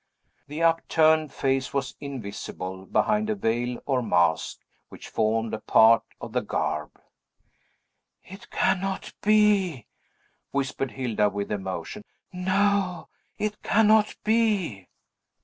The upturned face was invisible, behind a veil or mask, which formed a part of the garb. "It cannot be!" whispered Hilda, with emotion. "No; it cannot be!"